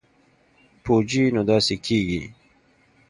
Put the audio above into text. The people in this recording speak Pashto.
پوجي نو داسې کېږي.